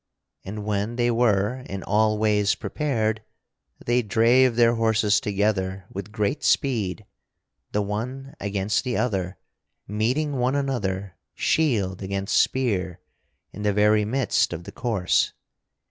And when they were in all ways prepared, they drave their horses together with great speed, the one against the other, meeting one another, shield against spear, in the very midst of the course.